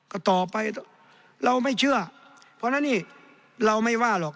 ก็ต่อไปเราไม่เชื่อเพราะฉะนั้นนี่เราไม่ว่าหรอก